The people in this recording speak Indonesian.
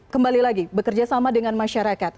kembali lagi bekerja sama dengan masyarakat